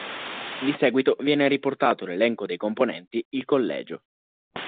Di seguito viene riportato l'elenco dei componenti il Collegio.